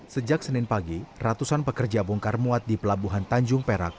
sejak senin pagi ratusan pekerja bongkar muat di pelabuhan tanjung perak